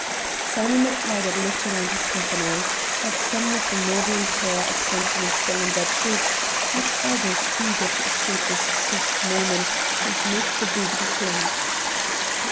Simon MacTaggart looked round his company at some with the maudlin tear of sentiment still on their cheeks, at others eager to escape this soft moment and make the beaker clink.